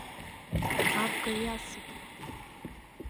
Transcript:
Абга иасит.